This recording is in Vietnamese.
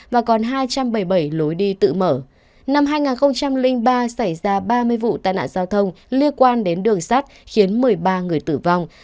năm hai nghìn ba xảy ra ba mươi vụ tai nạn giao thông liên quan đến đường sắt khiến một mươi ba người tử vong